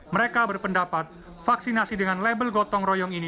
mereka berpendapat vaksinasi dengan label gotong royong ini